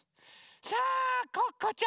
さあコッコちゃん！